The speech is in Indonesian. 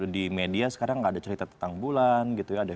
di media sekarang nggak ada cerita tentang bulan gitu ya